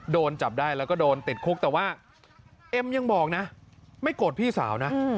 โดนจับได้แล้วก็โดนติดคุกแต่ว่าเอ็มยังบอกนะไม่โกรธพี่สาวนะ